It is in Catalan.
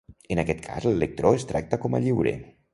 En aquest cas, l'electró es tracta com a lliure.